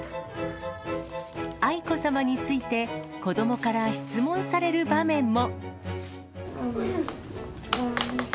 愛子さまについて、子どもから質問される場面も。